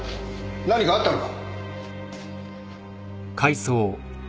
何かあったのか？